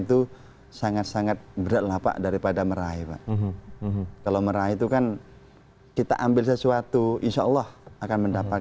itu sangat sangat berat lapak daripada meraih kalau meraih itu kan kita ambil sesuatu insyaallah akan